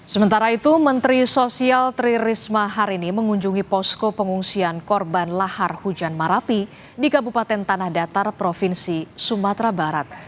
sementara itu menteri sosial tri risma hari ini mengunjungi posko pengungsian korban lahar hujan marapi di kabupaten tanah datar provinsi sumatera barat